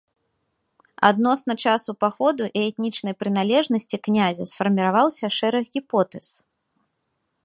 Адносна часу паходу і этнічнай прыналежнасці князя сфарміраваўся шэраг гіпотэз.